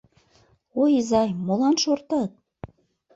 Ой, изай, молан шортат?